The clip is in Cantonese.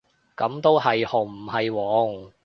噉都係紅唔係黃喎